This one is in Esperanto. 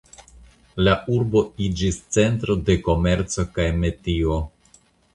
La urbo iĝis centro de komerco kaj metio.